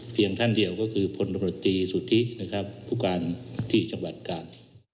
เพียงท่านเดียวก็คือพลตำรวจตรีสุทธิผู้การที่จังหวัดกาล